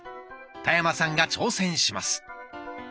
田山さんが挑戦します。